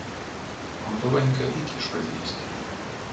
Готовеньке і кішка з’їсть.